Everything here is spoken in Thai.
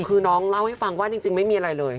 คือน้องเล่าให้ฟังว่าจริงไม่มีอะไรเลย